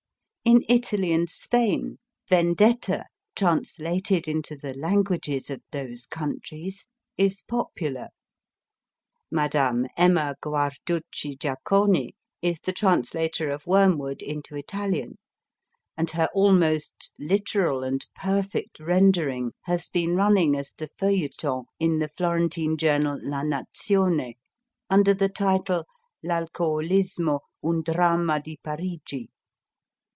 In Italy and Spain Vendetta/ translated into the languages of those countries, is popular. Madame Emma Guarducci Giaconi is the translator of Wormwood into Italian, and her almost literal and perfect rendering has been running as the fenilleton in the Florentine journal, La Nazione, under the title L Alcoolismo : Un Dramma di Parigi.